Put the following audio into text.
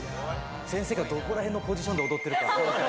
先生がどこら辺のポジションで踊ってるか。